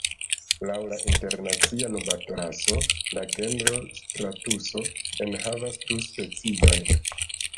Laŭ la Internacia Nubatlaso, la genro stratuso enhavas du speciojn.